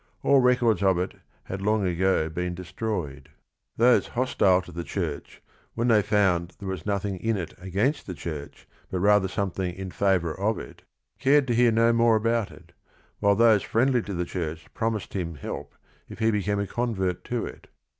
All records of it had long ago been destroyed. Those hostile to the church, when they found there was nothing in it against the church, but rather something in favor of it, cared to hear no more about it, while those friendly to the church promised him help if he became a convert to it.